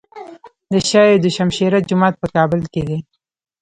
د شاه دوشمشیره جومات په کابل کې دی